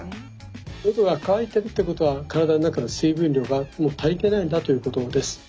のどが渇いてるってことは体の中の水分量が足りてないんだということです。